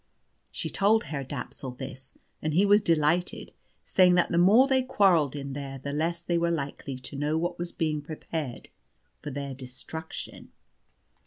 She told Herr Dapsul this, and he was delighted, saying that the more they quarrelled in there the less they were likely to know what was being prepared for their destruction.